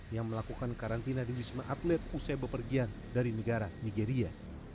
yang melakukan karantina di wisma atlet usai bepergian dari negara nigeria